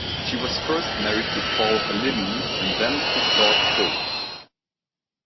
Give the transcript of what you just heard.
She was first married to Paul Halimi, and then to Claude Faux.